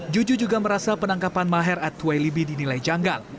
jujup juga merasa penangkapan maher at twailibi dinilai janggal